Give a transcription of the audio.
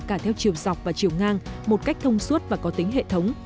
cả theo chiều dọc và chiều ngang một cách thông suốt và có tính hệ thống